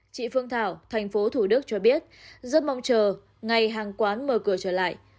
chị phương thảo tp thủ đức cho biết rất mong chờ ngày hàng quán mở cửa trở lại